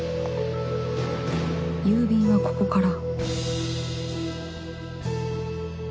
郵便はここから